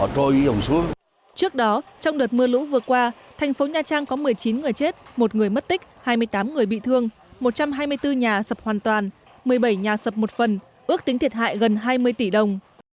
trước đó trong đợt mưa lũ vừa qua thành phố nha trang có một mươi chín người chết một người mất tích hai mươi tám người bị thương một trăm hai mươi bốn nhà sập hoàn toàn một mươi bảy nhà sập một phần ước tính thiệt hại gần hai mươi tỷ đồng